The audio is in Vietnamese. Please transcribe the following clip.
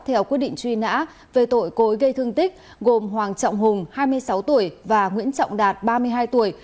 theo quyết định truy nã về tội cối gây thương tích gồm hoàng trọng hùng hai mươi sáu tuổi và nguyễn trọng đạt ba mươi hai tuổi